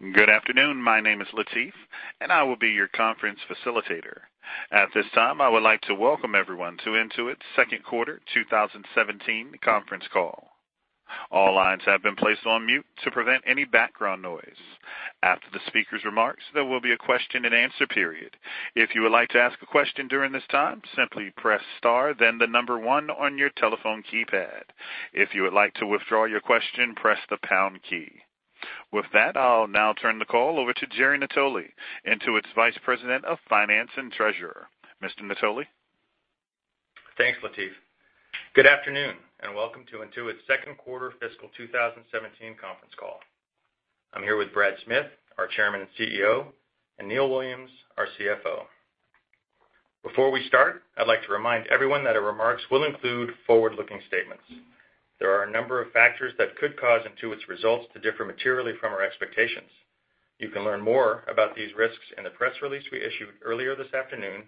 Good afternoon. My name is Latif, and I will be your conference facilitator. At this time, I would like to welcome everyone to Intuit's second quarter 2017 conference call. All lines have been placed on mute to prevent any background noise. After the speaker's remarks, there will be a question and answer period. If you would like to ask a question during this time, simply press star, then the number one on your telephone keypad. If you would like to withdraw your question, press the pound key. With that, I'll now turn the call over to Jerry Natoli, Intuit's Vice President of Finance and Treasurer. Mr. Natoli? Thanks, Latif. Good afternoon, and welcome to Intuit's second quarter fiscal 2017 conference call. I'm here with Brad Smith, our Chairman and CEO, and Neil Williams, our CFO. Before we start, I'd like to remind everyone that our remarks will include forward-looking statements. There are a number of factors that could cause Intuit's results to differ materially from our expectations. You can learn more about these risks in the press release we issued earlier this afternoon,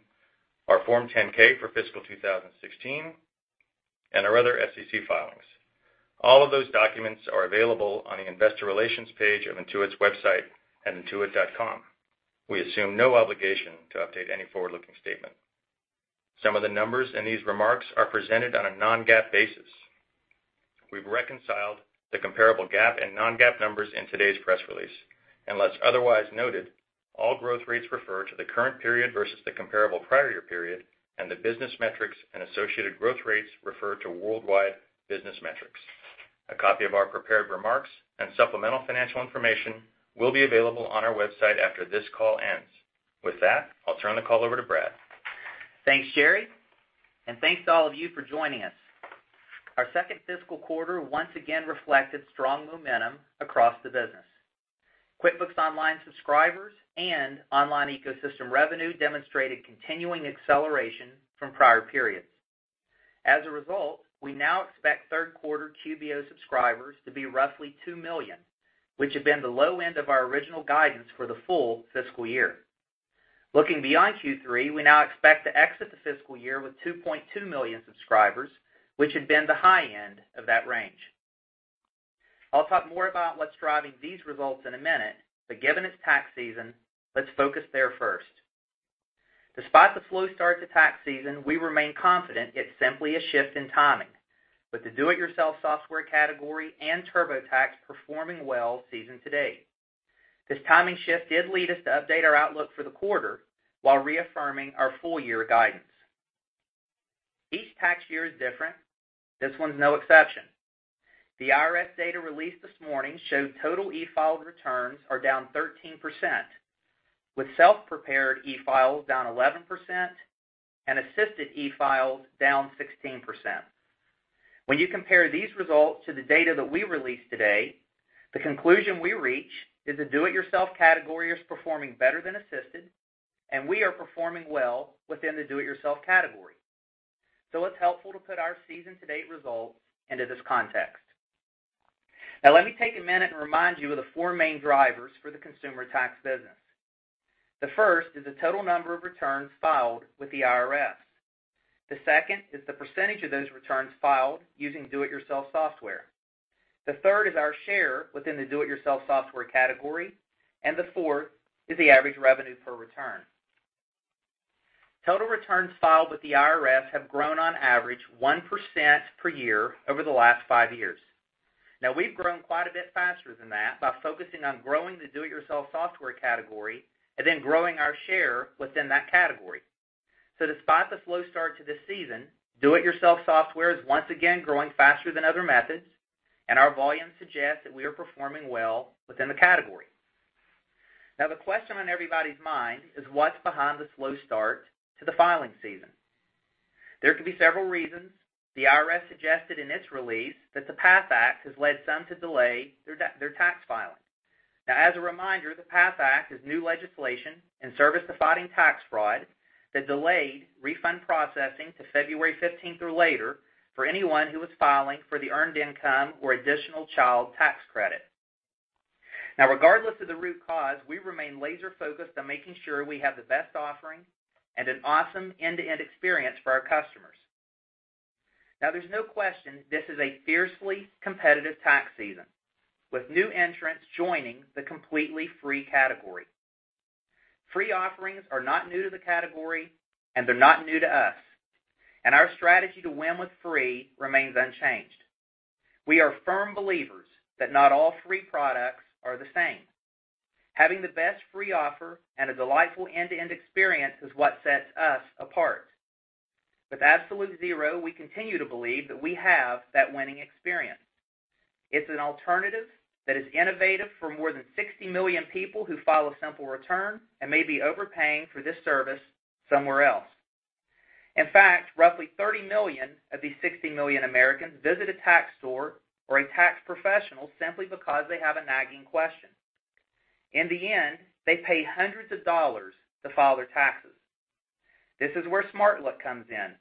our Form 10-K for fiscal 2016, and our other SEC filings. All of those documents are available on the investor relations page of Intuit's website at intuit.com. We assume no obligation to update any forward-looking statement. Some of the numbers in these remarks are presented on a non-GAAP basis. We've reconciled the comparable GAAP and non-GAAP numbers in today's press release. Unless otherwise noted, all growth rates refer to the current period versus the comparable prior year period, and the business metrics and associated growth rates refer to worldwide business metrics. A copy of our prepared remarks and supplemental financial information will be available on our website after this call ends. With that, I'll turn the call over to Brad. Thanks, Jerry, and thanks to all of you for joining us. Our second fiscal quarter once again reflected strong momentum across the business. QuickBooks Online subscribers and online ecosystem revenue demonstrated continuing acceleration from prior periods. As a result, we now expect third quarter QBO subscribers to be roughly 2 million, which had been the low end of our original guidance for the full fiscal year. Looking beyond Q3, we now expect to exit the fiscal year with 2.2 million subscribers, which had been the high end of that range. I'll talk more about what's driving these results in a minute, but given it's tax season, let's focus there first. Despite the slow start to tax season, we remain confident it's simply a shift in timing with the do it yourself software category and TurboTax performing well season to date. This timing shift did lead us to update our outlook for the quarter while reaffirming our full year guidance. Each tax year is different. This one's no exception. The IRS data released this morning showed total e-filed returns are down 13%, with self-prepared e-files down 11% and assisted e-files down 16%. When you compare these results to the data that we released today, the conclusion we reach is the do it yourself category is performing better than assisted, and we are performing well within the do it yourself category. It's helpful to put our season to date results into this context. Let me take a minute and remind you of the four main drivers for the consumer tax business. The first is the total number of returns filed with the IRS. The second is the percentage of those returns filed using do it yourself software. The third is our share within the do it yourself software category, and the fourth is the average revenue per return. Total returns filed with the IRS have grown on average 1% per year over the last five years. We've grown quite a bit faster than that by focusing on growing the do it yourself software category and then growing our share within that category. Despite the slow start to this season, do it yourself software is once again growing faster than other methods, and our volume suggests that we are performing well within the category. The question on everybody's mind is what's behind the slow start to the filing season? There could be several reasons. The IRS suggested in its release that the PATH Act has led some to delay their tax filing. As a reminder, the PATH Act is new legislation in service to fighting tax fraud that delayed refund processing to February 15th or later for anyone who was filing for the earned income or additional child tax credit. Regardless of the root cause, we remain laser-focused on making sure we have the best offering and an awesome end-to-end experience for our customers. There's no question this is a fiercely competitive tax season, with new entrants joining the completely free category. Free offerings are not new to the category, and they're not new to us. Our strategy to win with free remains unchanged. We are firm believers that not all free products are the same. Having the best free offer and a delightful end-to-end experience is what sets us apart. With Absolute Zero, we continue to believe that we have that winning experience. It's an alternative that is innovative for more than 60 million people who file a simple return and may be overpaying for this service somewhere else. In fact, roughly 30 million of these 60 million Americans visit a tax store or a tax professional simply because they have a nagging question. In the end, they pay hundreds of dollars to file their taxes. This is where SmartLook comes in,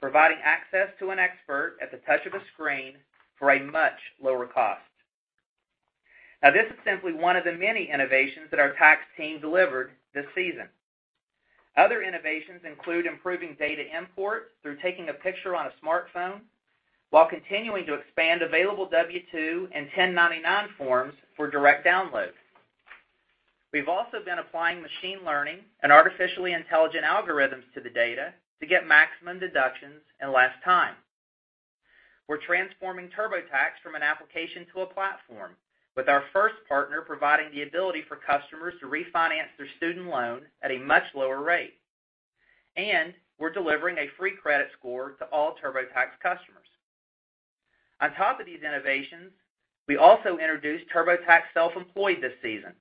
providing access to an expert at the touch of a screen for a much lower cost. This is simply one of the many innovations that our tax team delivered this season. Other innovations include improving data import through taking a picture on a smartphone, while continuing to expand available W-2 and 1099 forms for direct download. We've also been applying machine learning and artificially intelligent algorithms to the data to get maximum deductions in less time. We are transforming TurboTax from an application to a platform, with our first partner providing the ability for customers to refinance their student loan at a much lower rate. We are delivering a free credit score to all TurboTax customers. On top of these innovations, we also introduced TurboTax Self-Employed this season.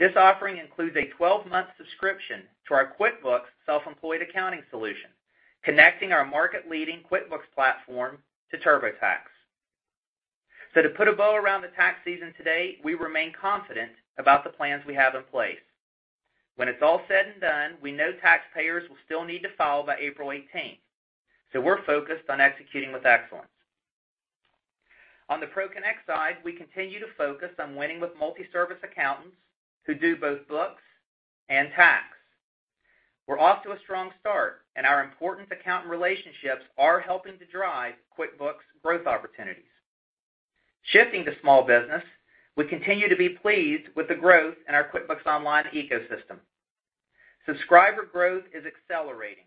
This offering includes a 12-month subscription to our QuickBooks Self-Employed accounting solution, connecting our market-leading QuickBooks platform to TurboTax. To put a bow around the tax season today, we remain confident about the plans we have in place. When it is all said and done, we know taxpayers will still need to file by April 18th. We are focused on executing with excellence. On the ProConnect side, we continue to focus on winning with multi-service accountants who do both books and tax. We are off to a strong start. Our important accountant relationships are helping to drive QuickBooks growth opportunities. Shifting to small business, we continue to be pleased with the growth in our QuickBooks Online ecosystem. Subscriber growth is accelerating,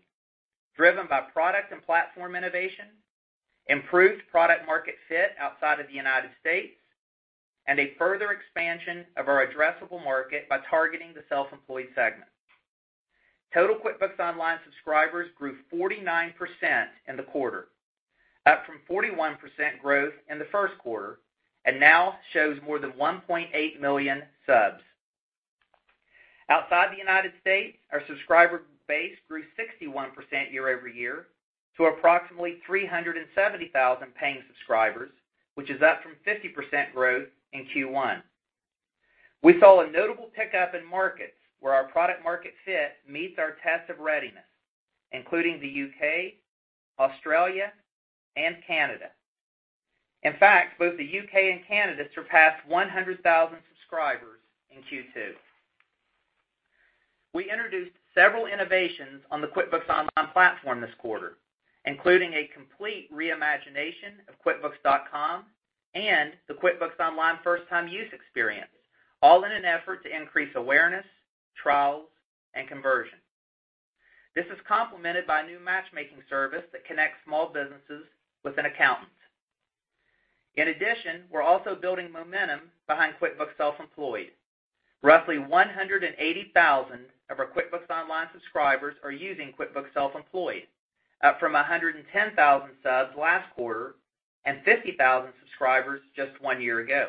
driven by product and platform innovation, improved product market fit outside of the U.S., and a further expansion of our addressable market by targeting the self-employed segment. Total QuickBooks Online subscribers grew 49% in the quarter, up from 41% growth in the first quarter, and now shows more than 1.8 million subs. Outside the U.S., our subscriber base grew 61% year-over-year to approximately 370,000 paying subscribers, which is up from 50% growth in Q1. We saw a notable pickup in markets where our product market fit meets our test of readiness, including the U.K., Australia, and Canada. In fact, both the U.K. and Canada surpassed 100,000 subscribers in Q2. We introduced several innovations on the QuickBooks Online platform this quarter, including a complete reimagination of quickbooks.com and the QuickBooks Online first-time use experience, all in an effort to increase awareness, trials, and conversion. This is complemented by a new matchmaking service that connects small businesses with an accountant. In addition, we are also building momentum behind QuickBooks Self-Employed. Roughly 180,000 of our QuickBooks Online subscribers are using QuickBooks Self-Employed, up from 110,000 subs last quarter and 50,000 subscribers just one year ago.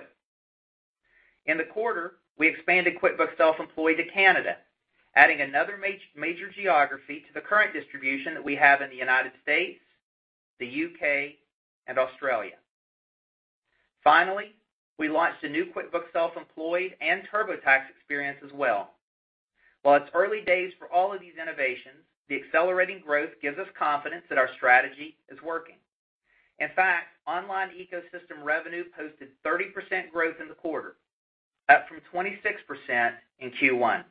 In the quarter, we expanded QuickBooks Self-Employed to Canada, adding another major geography to the current distribution that we have in the U.S., the U.K., and Australia. Finally, we launched a new QuickBooks Self-Employed and TurboTax experience as well. While it is early days for all of these innovations, the accelerating growth gives us confidence that our strategy is working. In fact, online ecosystem revenue posted 30% growth in the quarter, up from 26% in Q1.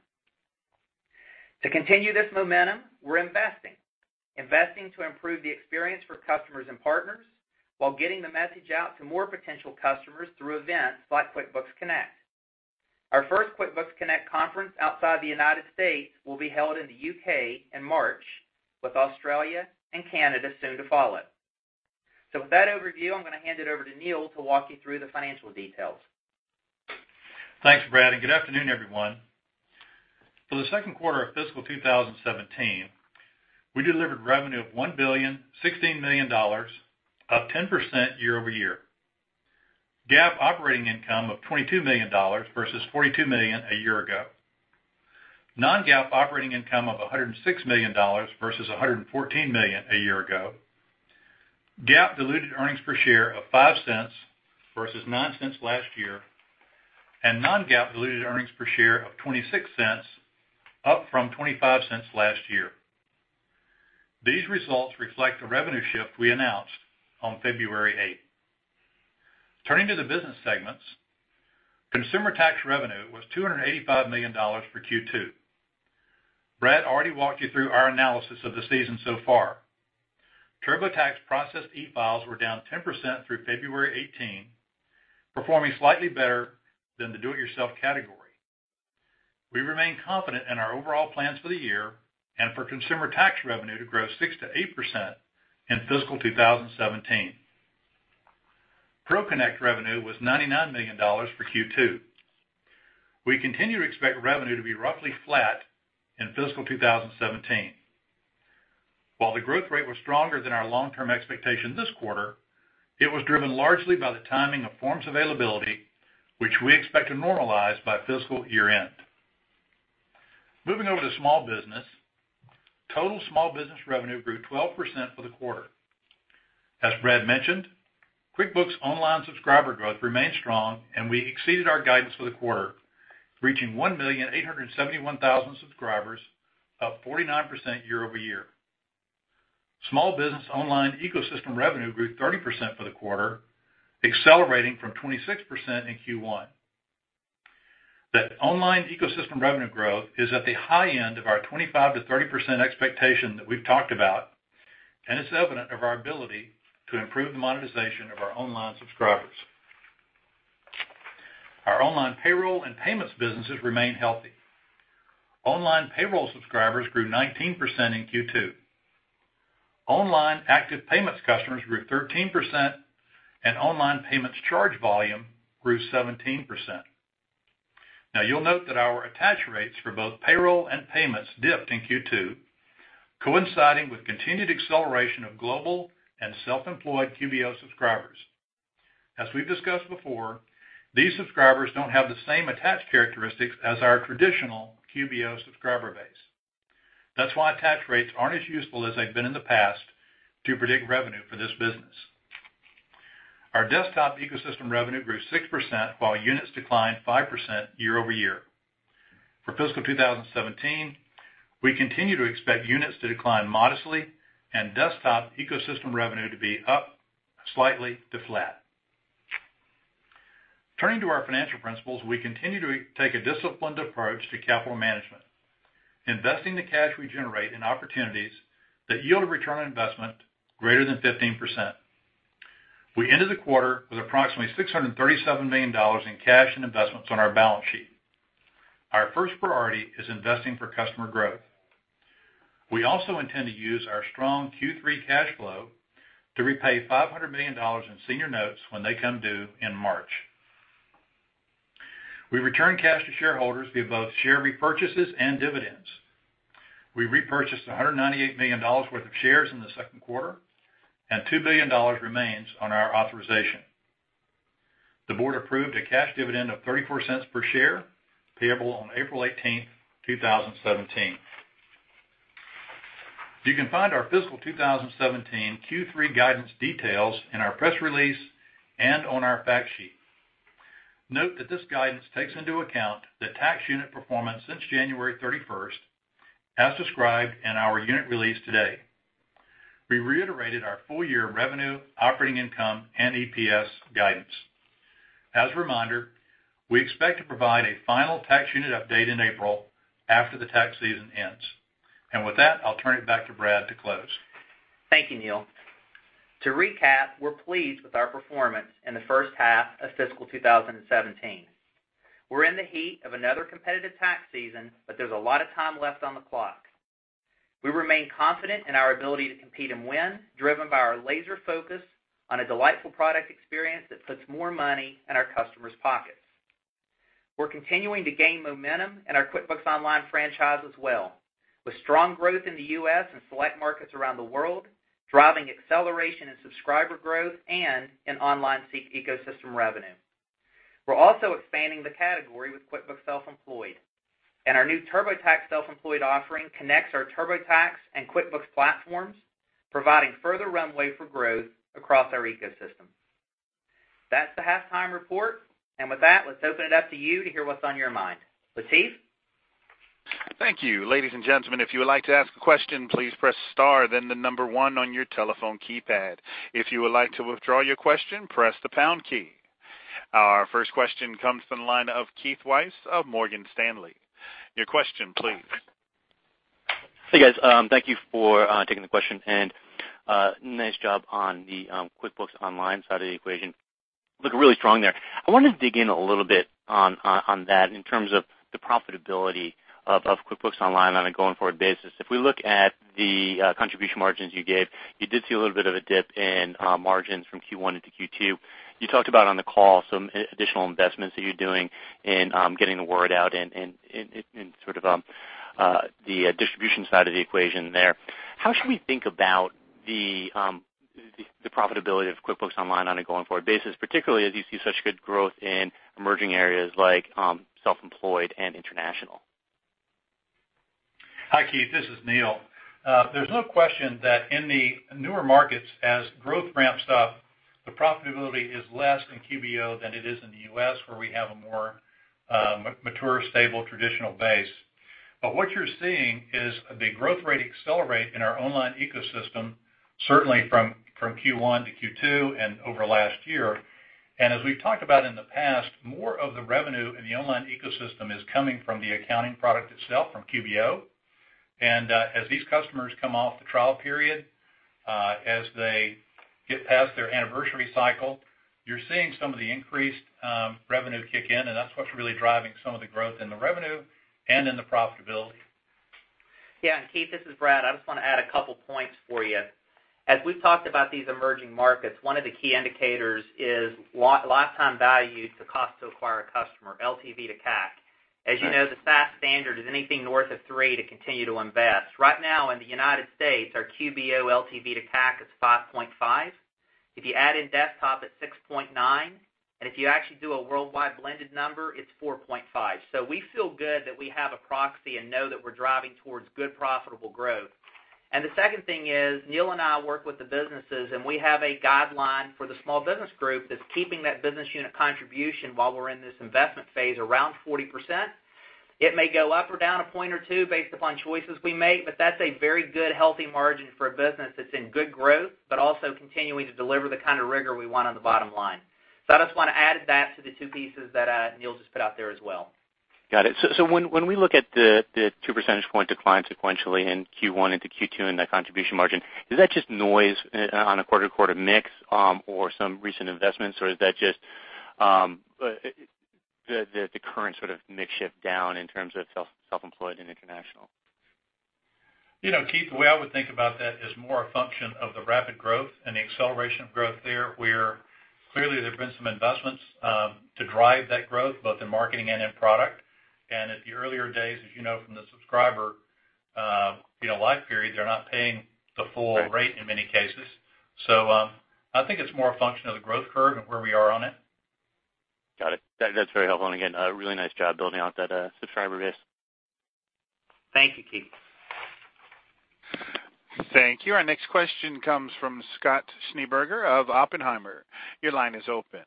To continue this momentum, we are investing. Investing to improve the experience for customers and partners, while getting the message out to more potential customers through events like QuickBooks Connect. Our first QuickBooks Connect conference outside the U.S. will be held in the U.K. in March, with Australia and Canada soon to follow. With that overview, I am going to hand it over to Neil to walk you through the financial details. Thanks, Brad, good afternoon, everyone. For the second quarter of fiscal 2017, we delivered revenue of $1 billion, $16 million, up 10% year-over-year. GAAP operating income of $22 million versus $42 million a year ago. non-GAAP operating income of $106 million versus $114 million a year ago. GAAP diluted earnings per share of $0.05 versus $0.09 last year, and non-GAAP diluted earnings per share of $0.26, up from $0.25 last year. These results reflect the revenue shift we announced on February 8th. Turning to the business segments, consumer tax revenue was $285 million for Q2. Brad already walked you through our analysis of the season so far. TurboTax processed e-files were down 10% through February 18, performing slightly better than the do-it-yourself category. We remain confident in our overall plans for the year and for consumer tax revenue to grow 6%-8% in fiscal 2017. ProConnect revenue was $99 million for Q2. We continue to expect revenue to be roughly flat in fiscal 2017. While the growth rate was stronger than our long-term expectation this quarter, it was driven largely by the timing of forms availability, which we expect to normalize by fiscal year-end. Moving over to small business, total small business revenue grew 12% for the quarter. As Brad mentioned, QuickBooks Online subscriber growth remained strong, and we exceeded our guidance for the quarter, reaching 1,871,000 subscribers, up 49% year-over-year. Small business online ecosystem revenue grew 30% for the quarter, accelerating from 26% in Q1. That online ecosystem revenue growth is at the high end of our 25%-30% expectation that we've talked about. It's evident of our ability to improve the monetization of our online subscribers. Our online payroll and payments businesses remain healthy. Online payroll subscribers grew 19% in Q2. Online active payments customers grew 13%, and online payments charge volume grew 17%. You'll note that our attach rates for both payroll and payments dipped in Q2, coinciding with continued acceleration of global and Self-Employed QBO subscribers. As we've discussed before, these subscribers don't have the same attach characteristics as our traditional QBO subscriber base. That's why attach rates aren't as useful as they've been in the past to predict revenue for this business. Our desktop ecosystem revenue grew 6%, while units declined 5% year-over-year. For fiscal 2017, we continue to expect units to decline modestly and desktop ecosystem revenue to be up slightly to flat. Turning to our financial principles, we continue to take a disciplined approach to capital management, investing the cash we generate in opportunities that yield a return on investment greater than 15%. We ended the quarter with approximately $637 million in cash and investments on our balance sheet. Our first priority is investing for customer growth. We also intend to use our strong Q3 cash flow to repay $500 million in senior notes when they come due in March. We return cash to shareholders via both share repurchases and dividends. We repurchased $198 million worth of shares in the second quarter, and $2 billion remains on our authorization. The board approved a cash dividend of $0.34 per share, payable on April 18th, 2017. You can find our fiscal 2017 Q3 guidance details in our press release and on our fact sheet. Note that this guidance takes into account the tax unit performance since January 31st, as described in our unit release today. We reiterated our full-year revenue, operating income, and EPS guidance. As a reminder, we expect to provide a final tax unit update in April after the tax season ends. With that, I'll turn it back to Brad to close. Thank you, Neil. To recap, we're pleased with our performance in the first half of fiscal 2017. We're in the heat of another competitive tax season, but there's a lot of time left on the clock. We remain confident in our ability to compete and win, driven by our laser focus on a delightful product experience that puts more money in our customers' pockets. We're continuing to gain momentum in our QuickBooks Online franchise as well, with strong growth in the U.S. and select markets around the world, driving acceleration in subscriber growth and in online ecosystem revenue. We're also expanding the category with QuickBooks Self-Employed, and our new TurboTax Self-Employed offering connects our TurboTax and QuickBooks platforms, providing further runway for growth across our ecosystem. That's the halftime report. With that, let's open it up to you to hear what's on your mind. Latif? Thank you. Ladies and gentlemen, if you would like to ask a question, please press star, then the number one on your telephone keypad. If you would like to withdraw your question, press the pound key. Our first question comes from the line of Keith Weiss of Morgan Stanley. Your question, please. Hey, guys. Thank you for taking the question, nice job on the QuickBooks Online side of the equation. Look really strong there. I want to dig in a little bit on that in terms of the profitability of QuickBooks Online on a going forward basis. If we look at the contribution margins you gave, you did see a little bit of a dip in margins from Q1 into Q2. You talked about on the call some additional investments that you're doing in getting the word out in sort of the distribution side of the equation there. How should we think about the profitability of QuickBooks Online on a going forward basis, particularly as you see such good growth in emerging areas like self-employed and international? Hi, Keith. This is Neil. There's no question that in the newer markets, as growth ramps up, the profitability is less in QBO than it is in the U.S., where we have a more mature, stable, traditional base. What you're seeing is the growth rate accelerate in our online ecosystem, certainly from Q1 to Q2 and over last year. As we've talked about in the past, more of the revenue in the online ecosystem is coming from the accounting product itself, from QBO. As these customers come off the trial period, as they get past their anniversary cycle, you're seeing some of the increased revenue kick in, and that's what's really driving some of the growth in the revenue and in the profitability. Keith, this is Brad. I just want to add a couple points for you. As we've talked about these emerging markets, one of the key indicators is lifetime value to cost to acquire a customer, LTV to CAC. As you know, the SaaS standard is anything north of three to continue to invest. Right now in the U.S., our QBO LTV to CAC is 5.5. If you add in desktop, it's 6.9, and if you actually do a worldwide blended number, it's 4.5. We feel good that we have a proxy and know that we're driving towards good profitable growth. The second thing is, Neil and I work with the businesses, and we have a guideline for the small business group that's keeping that business unit contribution while we're in this investment phase around 40%. It may go up or down a point or two based upon choices we make, that's a very good, healthy margin for a business that's in good growth, also continuing to deliver the kind of rigor we want on the bottom line. I just want to add that to the two pieces that Neil just put out there as well. Got it. When we look at the two percentage point decline sequentially in Q1 into Q2 in the contribution margin, is that just noise on a quarter-to-quarter mix or some recent investments, or is that just the current sort of mix shift down in terms of Self-Employed and international? Keith, the way I would think about that is more a function of the rapid growth and the acceleration of growth there, where clearly there have been some investments to drive that growth, both in marketing and in product. At the earlier days, as you know from the subscriber life periods, they're not paying the full rate in many cases. I think it's more a function of the growth curve and where we are on it. Got it. That's very helpful. Again, really nice job building out that subscriber base. Thank you, Keith. Thank you. Our next question comes from Scott Schneeberger of Oppenheimer. Your line is open.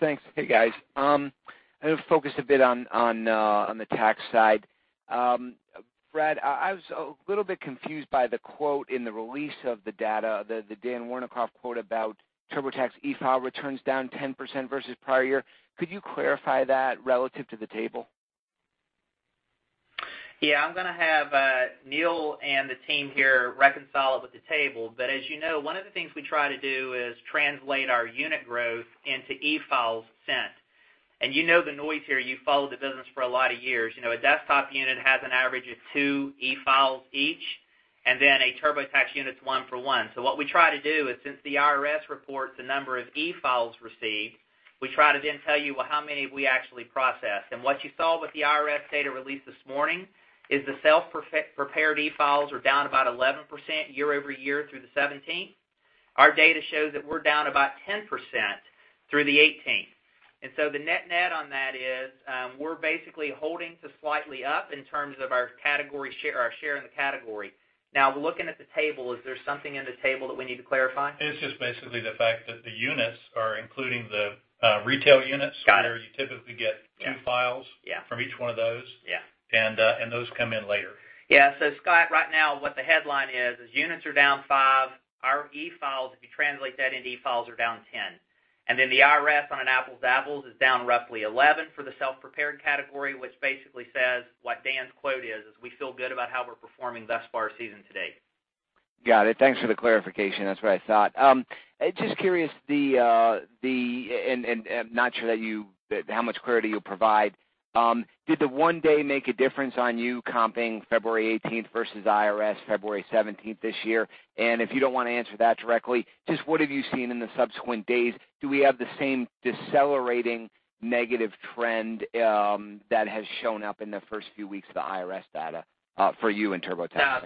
Thanks. Hey, guys. I'm going to focus a bit on the tax side. Brad, I was a little bit confused by the quote in the release of the data, the Dan Wernikoff quote about TurboTax e-file returns down 10% versus prior year. Could you clarify that relative to the table? Yeah, I'm going to have Neil and the team here reconcile it with the table. As you know, one of the things we try to do is translate our unit growth into e-files sent. You know the noise here. You've followed the business for a lot of years. A desktop unit has an average of two e-files each, and then a TurboTax unit's one for one. What we try to do is, since the IRS reports the number of e-files received, we try to then tell you, well, how many have we actually processed? What you saw with the IRS data release this morning is the self-prepared e-files are down about 11% year-over-year through the 17th. Our data shows that we're down about 10% through the 18th. The net-net on that is we're basically holding to slightly up in terms of our share in the category. Now, looking at the table, is there something in the table that we need to clarify? It's just basically the fact that the units are including the retail units. Got it. where you typically get two files Yeah from each one of those Yeah. Those come in later. Scott, right now what the headline is units are down five. Our e-files, if you translate that into e-files, are down 10. The IRS, on an apples-to-apples, is down roughly 11 for the self-prepared category, which basically says what Dan's quote is we feel good about how we're performing thus far season to date. Got it. Thanks for the clarification. That's what I thought. Just curious, I'm not sure how much clarity you'll provide, did the one day make a difference on you comping February 18th versus IRS February 17th this year? If you don't want to answer that directly, just what have you seen in the subsequent days? Do we have the same decelerating negative trend that has shown up in the first few weeks of the IRS data for you and TurboTax?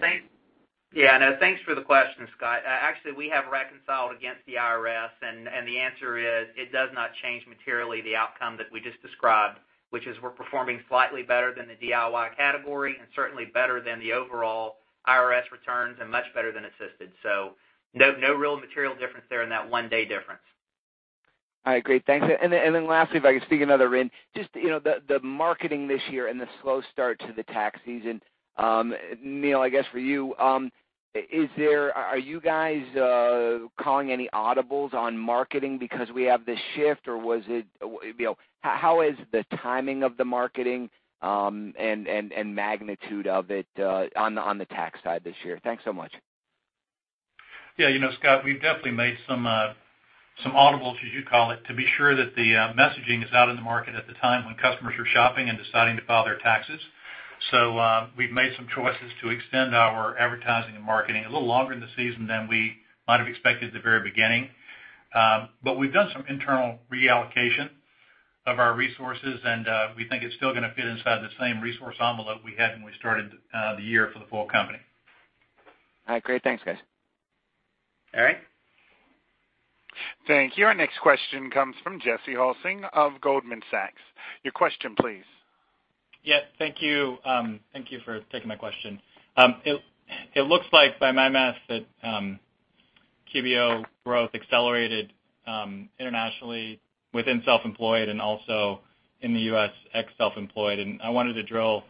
Yeah. No, thanks for the question, Scott. Actually, we have reconciled against the IRS, the answer is it does not change materially the outcome that we just described, which is we're performing slightly better than the DIY category and certainly better than the overall IRS returns and much better than Assisted. No real material difference there in that one-day difference. All right, great. Thanks. Lastly, if I could sneak another in, just the marketing this year and the slow start to the tax season. Neil, I guess for you, are you guys calling any audibles on marketing because we have this shift? How is the timing of the marketing and magnitude of it on the tax side this year? Thanks so much. Yeah, Scott, we've definitely made some audibles, as you call it, to be sure that the messaging is out in the market at the time when customers are shopping and deciding to file their taxes. We've made some choices to extend our advertising and marketing a little longer in the season than we might have expected at the very beginning. We've done some internal reallocation of our resources, and we think it's still going to fit inside the same resource envelope we had when we started the year for the full company. All right, great. Thanks, guys. All right. Thank you. Our next question comes from Jesse Hulsing of Goldman Sachs. Your question, please. Thank you. Thank you for taking my question. It looks like by my math that QBO growth accelerated internationally within self-employed and also in the U.S. ex self-employed, and I wanted to drill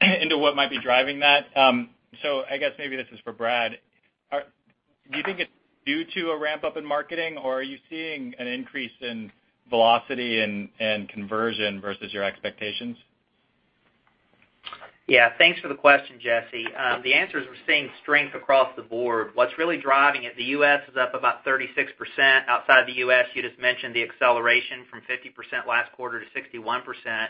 into what might be driving that. I guess maybe this is for Brad. Do you think it's due to a ramp-up in marketing, or are you seeing an increase in velocity and conversion versus your expectations? Thanks for the question, Jesse. The answer is we're seeing strength across the board. What's really driving it, the U.S. is up about 36%. Outside the U.S., you just mentioned the acceleration from 50% last quarter to 61%.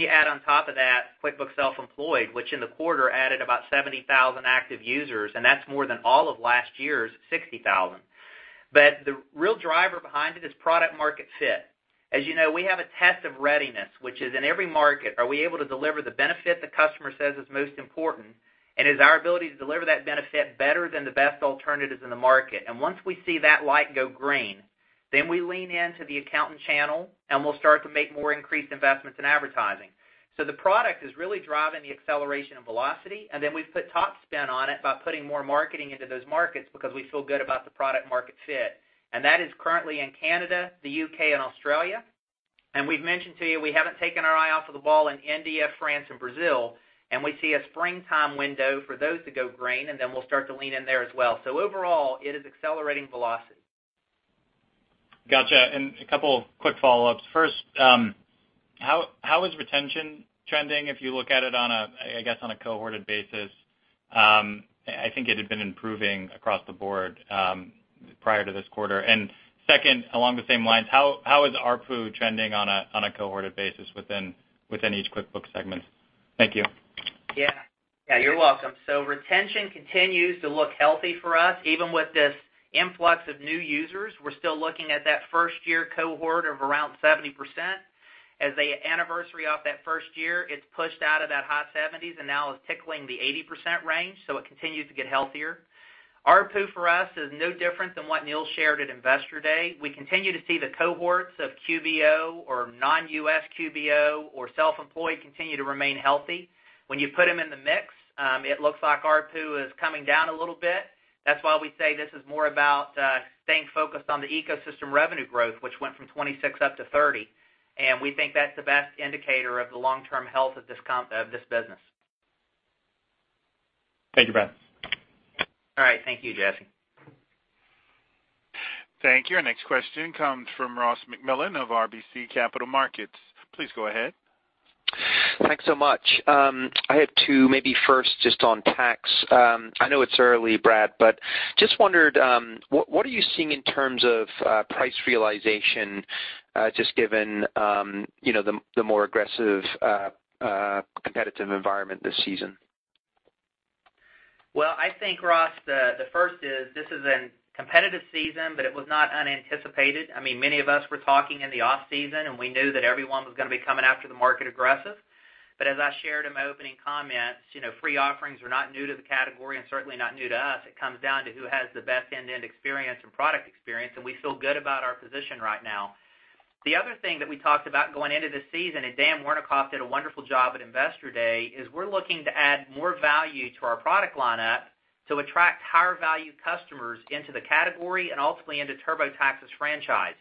You add on top of that QuickBooks Self-Employed, which in the quarter added about 70,000 active users, and that's more than all of last year's 60,000. The real driver behind it is product market fit. As you know, we have a test of readiness, which is in every market, are we able to deliver the benefit the customer says is most important, and is our ability to deliver that benefit better than the best alternatives in the market? Once we see that light go green, we lean into the accountant channel, and we'll start to make more increased investments in advertising. The product is really driving the acceleration and velocity, and we've put top spin on it by putting more marketing into those markets because we feel good about the product market fit. That is currently in Canada, the U.K., and Australia. We've mentioned to you, we haven't taken our eye off of the ball in India, France, and Brazil, and we see a springtime window for those to go green, and we'll start to lean in there as well. Overall, it is accelerating velocity. Got you. A couple of quick follow-ups. First, how is retention trending if you look at it on a cohorted basis? I think it had been improving across the board prior to this quarter. Second, along the same lines, how is ARPU trending on a cohorted basis within each QuickBooks segment? Thank you. You're welcome. Retention continues to look healthy for us. Even with this influx of new users, we're still looking at that first-year cohort of around 70%. As they anniversary off that first year, it's pushed out of that high 70s and now is tickling the 80% range, it continues to get healthier. ARPU for us is no different than what Neil shared at Investor Day. We continue to see the cohorts of QBO or non-U.S. QBO or Self-Employed continue to remain healthy. When you put them in the mix, it looks like ARPU is coming down a little bit. That's why we say this is more about staying focused on the ecosystem revenue growth, which went from 26% up to 30%, and we think that's the best indicator of the long-term health of this business. Thank you, Brad. All right. Thank you, Jesse. Thank you. Our next question comes from Ross MacMillan of RBC Capital Markets. Please go ahead. Thanks so much. I have two, maybe first just on tax. I know it's early, Brad, just wondered, what are you seeing in terms of price realization, just given the more aggressive competitive environment this season? Well, I think, Ross, the first is this is a competitive season, it was not unanticipated. Many of us were talking in the off-season, we knew that everyone was going to be coming after the market aggressive. As I shared in my opening comments, free offerings are not new to the category and certainly not new to us. It comes down to who has the best end-to-end experience and product experience, we feel good about our position right now. The other thing that we talked about going into this season, Dan Wernikoff did a wonderful job at Investor Day, is we're looking to add more value to our product lineup to attract higher-value customers into the category and ultimately into TurboTax's franchise.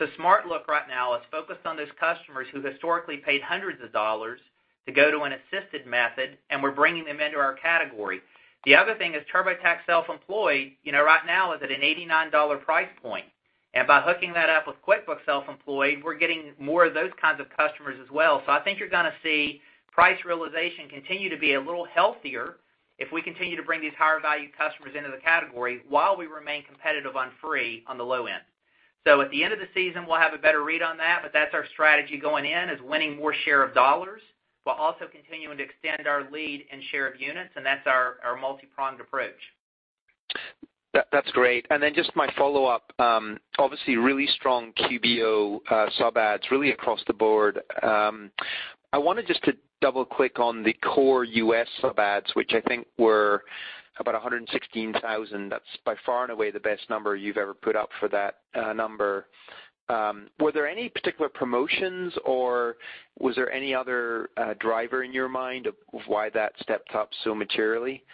SmartLook right now is focused on those customers who historically paid hundreds of dollars to go to an assisted method, we're bringing them into our category. The other thing is TurboTax Self-Employed right now is at an $89 price point. By hooking that up with QuickBooks Self-Employed, we're getting more of those kinds of customers as well. I think you're going to see price realization continue to be a little healthier if we continue to bring these higher-value customers into the category while we remain competitive on free on the low end. At the end of the season, we'll have a better read on that's our strategy going in, is winning more share of dollars, while also continuing to extend our lead in share of units, that's our multi-pronged approach. That's great. Just my follow-up, obviously really strong QBO sub adds really across the board. I wanted just to double-click on the core U.S. sub adds, which I think were about 116,000. That's by far and away the best number you've ever put up for that number. Were there any particular promotions, or was there any other driver in your mind of why that stepped up so materially?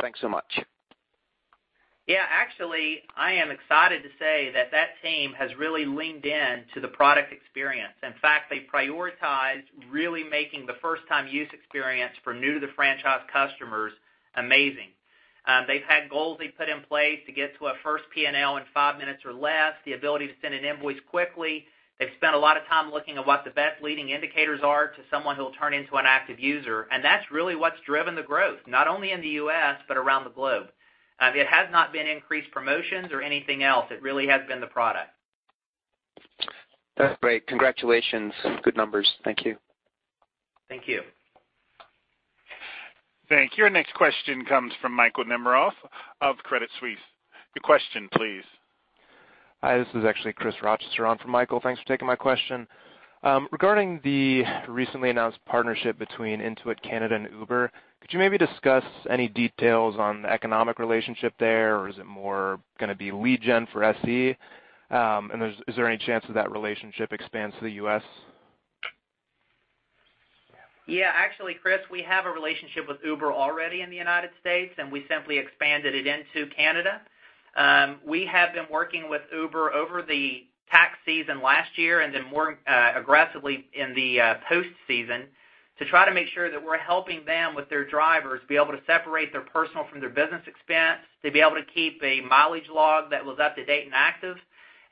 Thanks so much. Yeah, actually, I am excited to say that that team has really leaned in to the product experience. In fact, they prioritized really making the first-time use experience for new-to-the-franchise customers amazing. They've had goals they put in place to get to a first P&L in five minutes or less, the ability to send an invoice quickly. They've spent a lot of time looking at what the best leading indicators are to someone who will turn into an active user, and that's really what's driven the growth, not only in the U.S. but around the globe. It has not been increased promotions or anything else. It really has been the product. That's great. Congratulations. Good numbers. Thank you. Thank you. Thank you. Our next question comes from Michael Nemiroff of Credit Suisse. Your question, please. Hi, this is actually Chris Rochester on for Michael. Thanks for taking my question. Regarding the recently announced partnership between Intuit Canada and Uber, could you maybe discuss any details on the economic relationship there, or is it more going to be lead gen for SE? Is there any chance that that relationship expands to the U.S.? Yeah, actually, Chris, we have a relationship with Uber already in the United States, and we simply expanded it into Canada. We have been working with Uber over the tax season last year and then more aggressively in the post-season to try to make sure that we're helping them with their drivers be able to separate their personal from their business expense, to be able to keep a mileage log that was up to date and active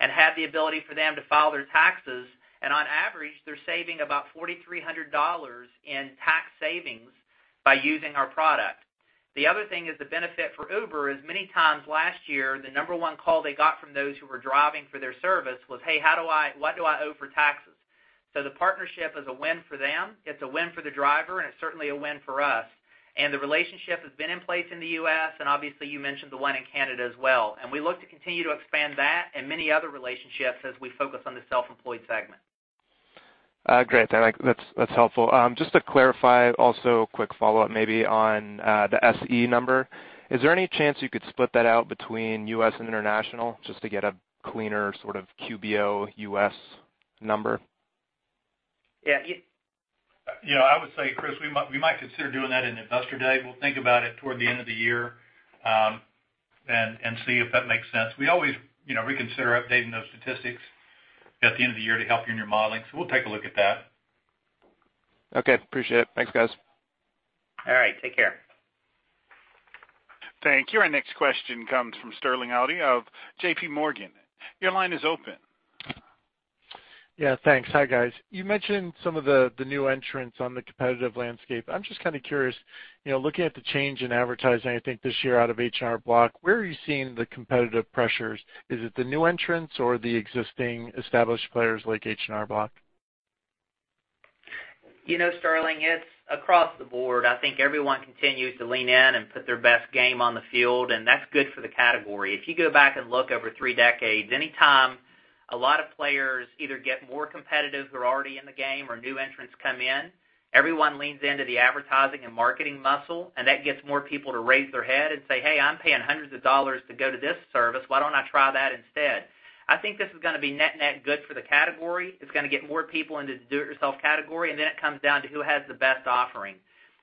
and have the ability for them to file their taxes. On average, they're saving about $4,300 in tax savings by using our product. The other thing is the benefit for Uber is many times last year, the number one call they got from those who were driving for their service was, "Hey, what do I owe for taxes?" The partnership is a win for them, it's a win for the driver, and it's certainly a win for us. The relationship has been in place in the U.S., and obviously you mentioned the one in Canada as well. We look to continue to expand that and many other relationships as we focus on the self-employed segment. Great. That's helpful. Just to clarify, also a quick follow-up maybe on the SE number. Is there any chance you could split that out between U.S. and international just to get a cleaner QBO U.S. number? Yeah. I would say, Chris, we might consider doing that in Investor Day. We'll think about it toward the end of the year. See if that makes sense. We always reconsider updating those statistics at the end of the year to help you in your modeling. We'll take a look at that. Okay, appreciate it. Thanks, guys. All right, take care. Thank you. Our next question comes from Sterling Auty of J.P. Morgan. Your line is open. Yeah, thanks. Hi, guys. You mentioned some of the new entrants on the competitive landscape. I'm just kind of curious, looking at the change in advertising, I think, this year out of H&R Block, where are you seeing the competitive pressures? Is it the new entrants or the existing established players like H&R Block? Sterling, it's across the board. I think everyone continues to lean in and put their best game on the field. That's good for the category. If you go back and look over three decades, any time a lot of players either get more competitive who are already in the game or new entrants come in, everyone leans into the advertising and marketing muscle. That gets more people to raise their head and say, "Hey, I'm paying hundreds of dollars to go to this service. Why don't I try that instead?" I think this is going to be net good for the category. It's going to get more people into the do-it-yourself category. Then it comes down to who has the best offering.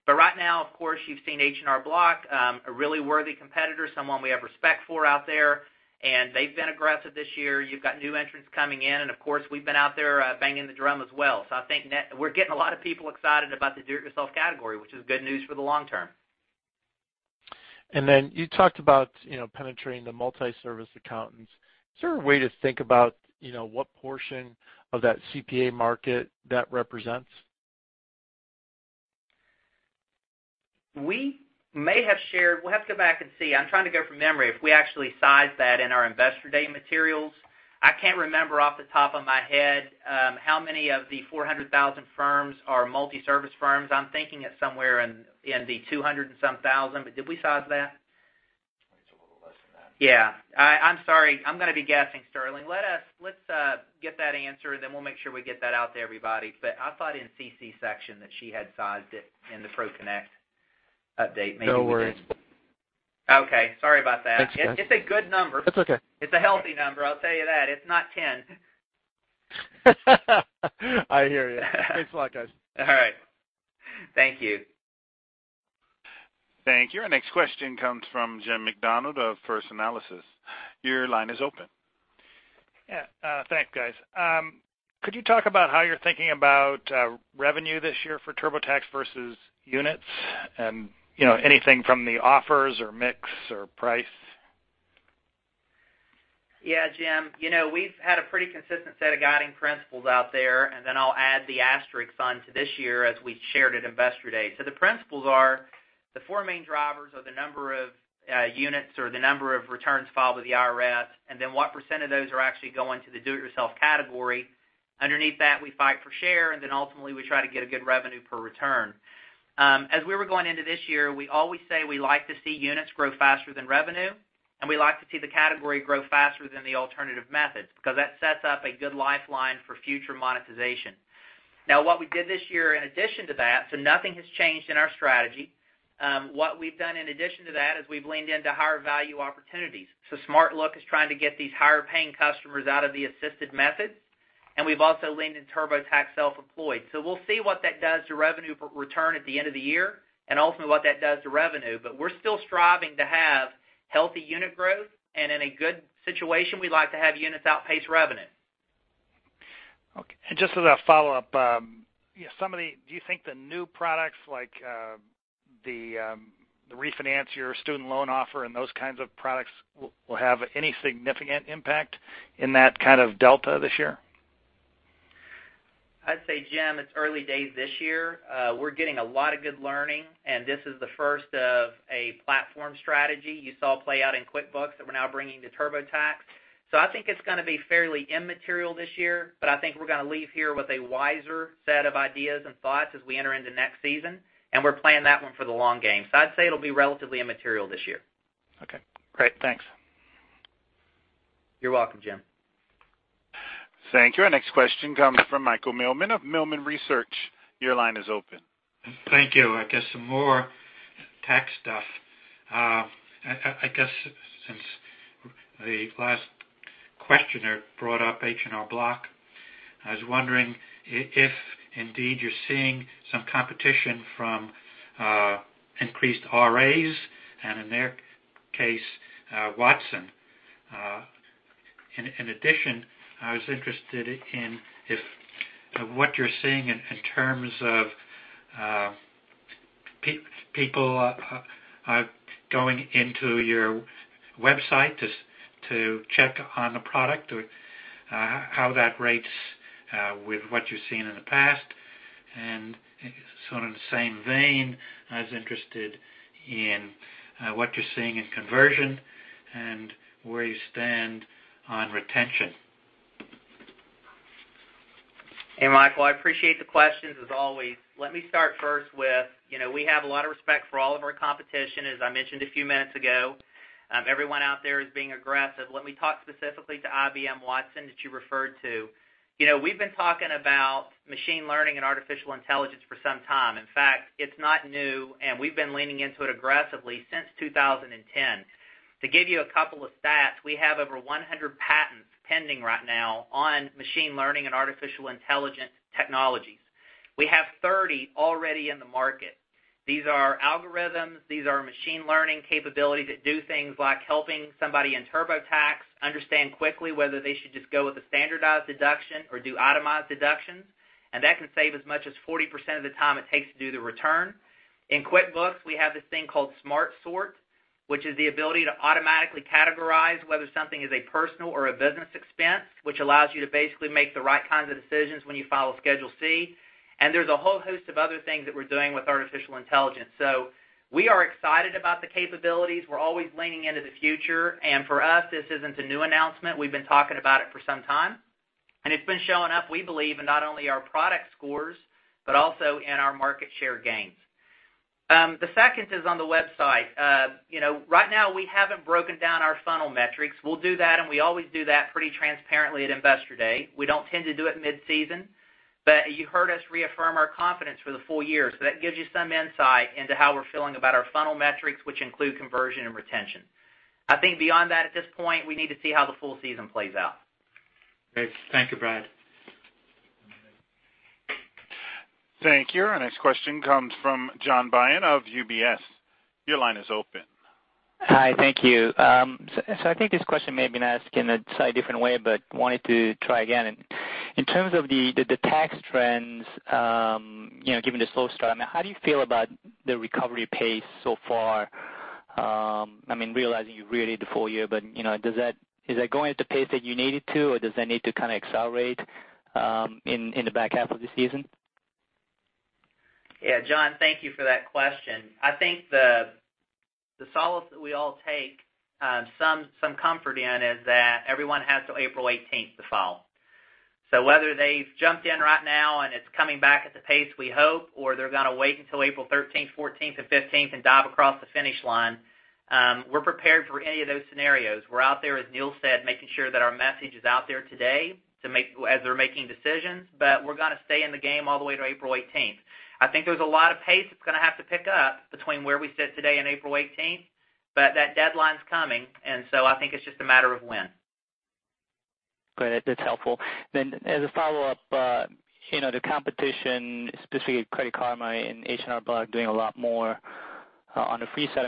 Right now, of course, you've seen H&R Block, a really worthy competitor, someone we have respect for out there. They've been aggressive this year. You've got new entrants coming in. Of course, we've been out there banging the drum as well. I think we're getting a lot of people excited about the do-it-yourself category, which is good news for the long term. Then you talked about penetrating the multi-service accountants. Is there a way to think about what portion of that CPA market that represents? We may have shared. We'll have to go back and see. I'm trying to go from memory if we actually sized that in our Investor Day materials. I can't remember off the top of my head how many of the 400,000 firms are multi-service firms. I'm thinking it's somewhere in the 200 and some thousand, but did we size that? It's a little less than that. Yeah. I'm sorry. I'm going to be guessing, Sterling. Let's get that answer, we'll make sure we get that out to everybody. I thought in CC section that she had sized it in the ProConnect update, maybe. No worries. Okay. Sorry about that. That's okay. It's a good number. It's okay. It's a healthy number, I'll tell you that. It's not 10. I hear you. Thanks a lot, guys. All right. Thank you. Thank you. Our next question comes from Jim Macdonald of First Analysis. Your line is open. Yeah. Thanks, guys. Could you talk about how you're thinking about revenue this year for TurboTax versus units? Anything from the offers or mix or price? Yeah, Jim. We've had a pretty consistent set of guiding principles out there. I'll add the asterisk on to this year as we shared at Investor Day. The principles are the four main drivers are the number of units or the number of returns filed with the IRS, and then what % of those are actually going to the do-it-yourself category. Underneath that, we fight for share. Ultimately, we try to get a good revenue per return. We were going into this year, we always say we like to see units grow faster than revenue. We like to see the category grow faster than the alternative methods, because that sets up a good lifeline for future monetization. What we did this year in addition to that, nothing has changed in our strategy. What we've done in addition to that is we've leaned into higher value opportunities. SmartLook is trying to get these higher paying customers out of the assisted methods, and we've also leaned into TurboTax Self-Employed. We'll see what that does to revenue per return at the end of the year and ultimately what that does to revenue. We're still striving to have healthy unit growth, and in a good situation, we like to have units outpace revenue. Okay. Just as a follow-up, do you think the new products like the Refinance Your Student Loan offer and those kinds of products will have any significant impact in that kind of delta this year? I'd say, Jim, it's early days this year. We're getting a lot of good learning. This is the first of a platform strategy you saw play out in QuickBooks that we're now bringing to TurboTax. I think it's going to be fairly immaterial this year, but I think we're going to leave here with a wiser set of ideas and thoughts as we enter into next season. We're playing that one for the long game. I'd say it'll be relatively immaterial this year. Okay, great. Thanks. You're welcome, Jim. Thank you. Our next question comes from Michael Millman of Millman Research. Your line is open. Thank you. I guess some more tax stuff. I guess since the last questioner brought up H&R Block, I was wondering if indeed you're seeing some competition from increased RAs. In their case, Watson. In addition, I was interested in if what you're seeing in terms of people going into your website to check on the product or how that rates with what you've seen in the past. Sort of the same vein, I was interested in what you're seeing in conversion and where you stand on retention. Hey, Michael, I appreciate the questions as always. Let me start first with. We have a lot of respect for all of our competition, as I mentioned a few minutes ago. Everyone out there is being aggressive. Let me talk specifically to IBM Watson that you referred to. We've been talking about machine learning and artificial intelligence for some time. In fact, it's not new. We've been leaning into it aggressively since 2010. To give you a couple of stats, we have over 100 patents pending right now on machine learning and artificial intelligence technologies. We have 30 already in the market. These are algorithms. These are machine learning capabilities that do things like helping somebody in TurboTax understand quickly whether they should just go with a standardized deduction or do itemized deductions. That can save as much as 40% of the time it takes to do the return. In QuickBooks, we have this thing called Smart Sort, which is the ability to automatically categorize whether something is a personal or a business expense, which allows you to basically make the right kinds of decisions when you file a Schedule C. There's a whole host of other things that we're doing with artificial intelligence. We are excited about the capabilities. We're always leaning into the future. For us, this isn't a new announcement. We've been talking about it for some time. It's been showing up, we believe, in not only our product scores, but also in our market share gains. The second is on the website. Right now, we haven't broken down our funnel metrics. We'll do that. We always do that pretty transparently at Investor Day. We don't tend to do it mid-season. You heard us reaffirm our confidence for the full year. That gives you some insight into how we're feeling about our funnel metrics, which include conversion and retention. I think beyond that, at this point, we need to see how the full season plays out. Great. Thank you, Brad. Thank you. Our next question comes from John Bien of UBS. Your line is open. Hi. Thank you. I think this question may have been asked in a slightly different way, but wanted to try again. In terms of the tax trends, given the slow start, how do you feel about the recovery pace so far? Realizing you've read the full year, but is that going at the pace that you need it to, or does that need to kind of accelerate in the back half of the season? Yeah. John, thank you for that question. I think the solace that we all take some comfort in is that everyone has till April 18th to file. Whether they've jumped in right now and it's coming back at the pace we hope, or they're going to wait until April 13th, 14th, and 15th and dive across the finish line, we're prepared for any of those scenarios. We're out there, as Neil said, making sure that our message is out there today as they're making decisions, but we're going to stay in the game all the way to April 18th. I think there's a lot of pace that's going to have to pick up between where we sit today and April 18th, but that deadline's coming, and so I think it's just a matter of when. Great. That's helpful. As a follow-up, the competition, specifically Credit Karma and H&R Block doing a lot more on the free side.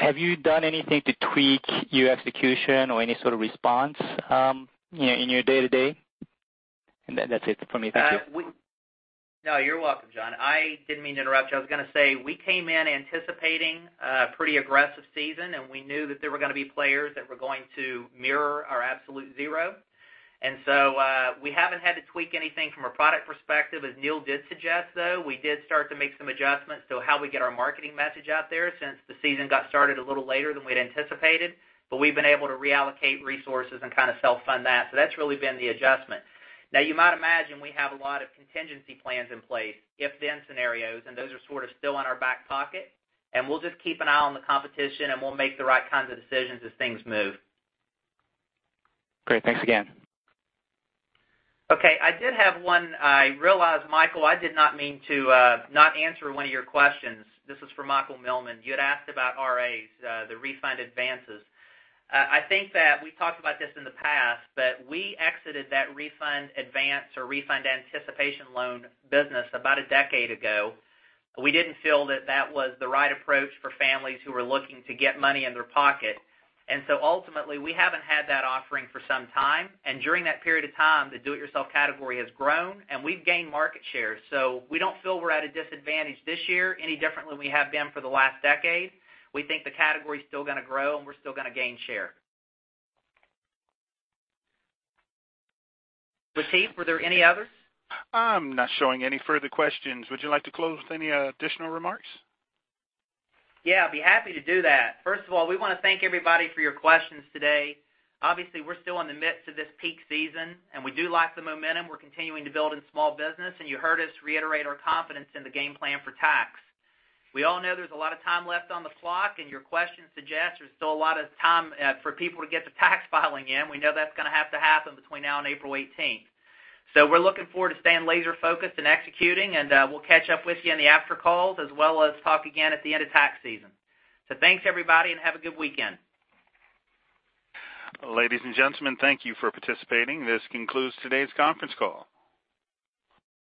Have you done anything to tweak your execution or any sort of response in your day-to-day? That's it for me. Thank you. No, you're welcome, John. I didn't mean to interrupt you. I was going to say, we came in anticipating a pretty aggressive season. We knew that there were going to be players that were going to mirror our Absolute Zero. We haven't had to tweak anything from a product perspective. As Neil did suggest, though, we did start to make some adjustments to how we get our marketing message out there since the season got started a little later than we'd anticipated. We've been able to reallocate resources and kind of self-fund that. That's really been the adjustment. You might imagine, we have a lot of contingency plans in place, if then scenarios. Those are sort of still in our back pocket. We'll just keep an eye on the competition. We'll make the right kinds of decisions as things move. Great. Thanks again. I did have one. I realize, Michael, I did not mean to not answer one of your questions. This is for Michael Millman. You had asked about RAs, the refund advances. I think that we talked about this in the past. We exited that refund advance or refund anticipation loan business about a decade ago. We didn't feel that that was the right approach for families who were looking to get money in their pocket. Ultimately, we haven't had that offering for some time. During that period of time, the do-it-yourself category has grown. We've gained market share. We don't feel we're at a disadvantage this year any different than we have been for the last decade. We think the category is still going to grow. We're still going to gain share. Latif, were there any others? I'm not showing any further questions. Would you like to close with any additional remarks? Yeah, I'd be happy to do that. First of all, we want to thank everybody for your questions today. Obviously, we're still in the midst of this peak season, and we do like the momentum. We're continuing to build in small business, and you heard us reiterate our confidence in the game plan for tax. We all know there's a lot of time left on the clock, and your questions suggest there's still a lot of time for people to get the tax filing in. We know that's going to have to happen between now and April 18th. We're looking forward to staying laser-focused and executing, and we'll catch up with you in the after calls, as well as talk again at the end of tax season. Thanks, everybody, and have a good weekend. Ladies and gentlemen, thank you for participating. This concludes today's conference call.